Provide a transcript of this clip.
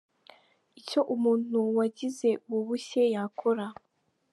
Icyo umuntu wagize ubu bushye yakora.